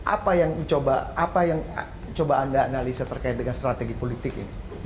apa yang coba anda analisa terkait dengan strategi politik ini